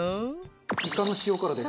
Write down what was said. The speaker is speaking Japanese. イカの塩辛です。